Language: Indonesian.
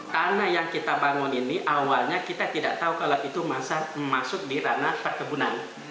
karena yang kita bangun ini awalnya kita tidak tahu kalau itu masuk di ranah perkebunan